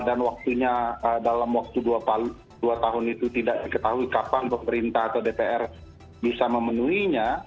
dan dalam waktu dua tahun itu tidak diketahui kapan pemerintah atau dpr bisa memenuhinya